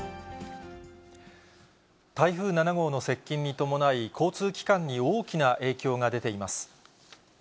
台風７号の接近に伴い、交通機関に大きな影響が出ています。